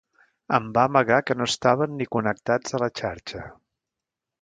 Em va amagar que no estaven ni connectats a la xarxa.